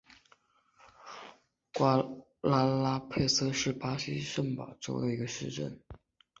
瓜拉拉佩斯是巴西圣保罗州的一个市镇。